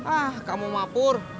ah kamu mapur